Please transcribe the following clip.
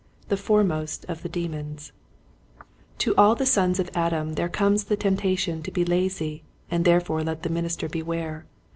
The Foremost of the Demons, To all the sons of Adam there comes the temptation to be lazy, and therefore let the minister beware.